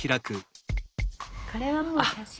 これはもう「写真」って。